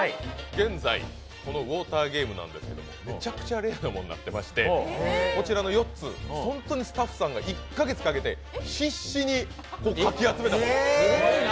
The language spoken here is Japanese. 現在、このウォーターゲームなんですけどめちゃくちゃレアなものになってましてこちらの４つ、本当にスタッフさんが１か月かけて必死にかき集めたもの。